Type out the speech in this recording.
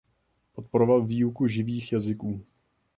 Podporoval výuku živých jazyků.